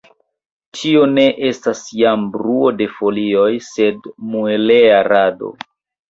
Tio ne estas jam bruo de folioj, sed mueleja rado.